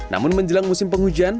namun menjelang musim penghujan